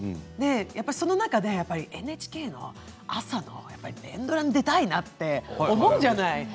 その中でＮＨＫの朝の連ドラに出たいなって思うじゃない。